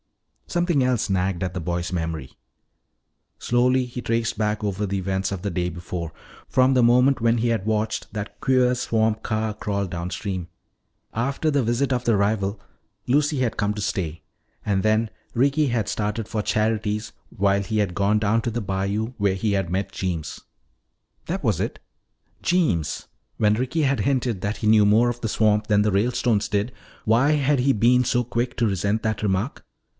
Something else nagged at the boy's memory. Slowly he traced back over the events of the day before, from the moment when he had watched that queer swamp car crawl downstream. After the visit of the rival, Lucy had come to stay. And then Ricky had started for Charity's while he had gone down to the bayou where he met Jeems. That was it. Jeems! When Ricky had hinted that he knew more of the swamp than the Ralestones did, why had he been so quick to resent that remark?